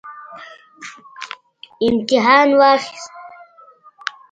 امتحان واخیست